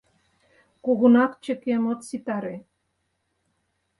Кугунак чыкем от ситаре.